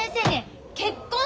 結婚！